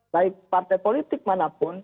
baik partai politik manapun